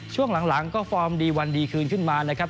ช่วงหลังก็ฟอร์มดีวันดีคืนขึ้นมานะครับ